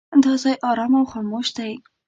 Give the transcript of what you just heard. دا ځای ارام او خاموش دی.